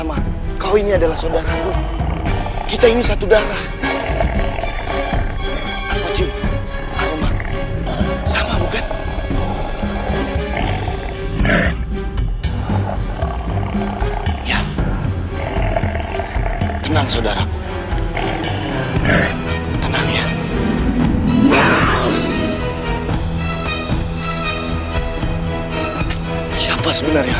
akulah patik akan mengurung